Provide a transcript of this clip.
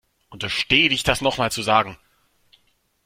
Unterstehe dich das nochmal zu sagen.